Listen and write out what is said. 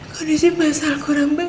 kondisi pasal kurang baik ya